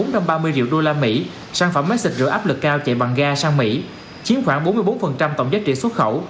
triệu sản phẩm máy xịt rửa áp lực cao chạy bằng ga sang mỹ chiếm khoảng bốn mươi bốn tổng giá trị xuất khẩu